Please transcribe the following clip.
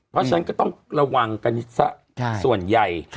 เพราะฉะนั้นก็ต้องระวังกันซะส่วนใหญ่